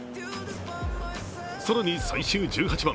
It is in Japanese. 更に最終１８番。